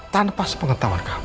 tanpa sepengetahuan kamu